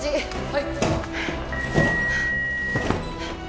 はい。